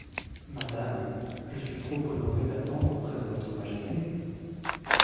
Madame, je suis trop honorée d'attendre près de Votre Majesté.